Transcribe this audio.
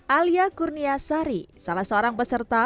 alia kurnia sari salah seorang peserta